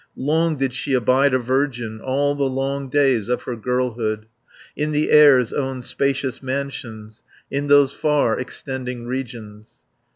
Long did she abide a virgin, All the long days of her girlhood, In the Air's own spacious mansions, In those far extending regions.